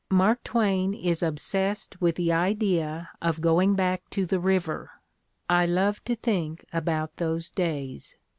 Mark Twain is obsessed with the idea of going back to the river: "I love to think about those days."